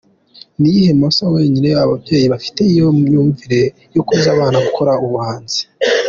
Ni iyihe nama se wagira ababyeyi bagifite iyo myumvire yo kubuza bana gukora ubuhanzi?.